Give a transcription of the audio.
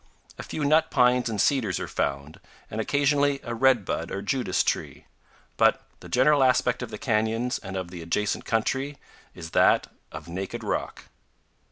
A few nut pines and cedars are found, and occasionally a redbud or Judas tree; but the general aspect of the canyons and of the adjacent country is that of naked rock.